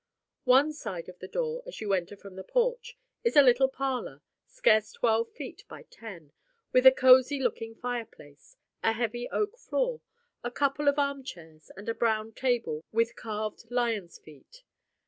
One side the door, as you enter from the porch, is a little parlor, scarce twelve feet by ten, with a cozy looking fireplace, a heavy oak floor, a couple of armchairs, and a brown table with carved lions' feet.